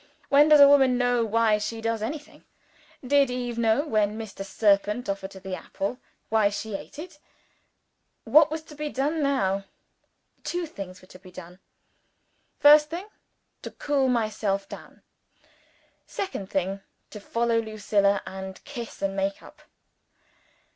When does a woman know why she does anything? Did Eve know when Mr. Serpent offered her the apple why she ate it? not she! What was to be done now? Two things were to be done. First thing: To cool myself down. Second thing: To follow Lucilla, and kiss and make it up.